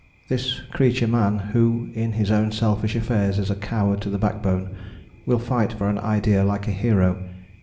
This creature Man, who in his own selfish affairs is a coward to the backbone, will fight for an idea like a hero.